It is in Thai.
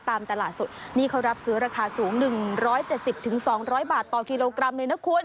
ตลาดสดนี่เขารับซื้อราคาสูง๑๗๐๒๐๐บาทต่อกิโลกรัมเลยนะคุณ